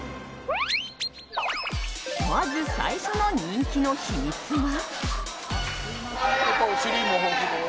まず最初の人気の秘密は。